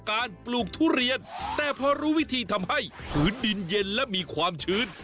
ปลูกทุเรียนแต่พอรู้วิธีทำให้พื้นดินเย็นและมีความชื้น